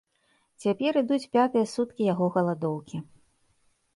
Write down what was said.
Цяпер ідуць пятыя суткі яго галадоўкі.